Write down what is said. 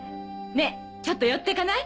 ねっちょっと寄ってかない？